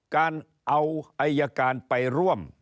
การเอาอายการไปร่วม